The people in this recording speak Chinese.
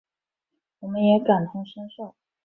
我们也感同身受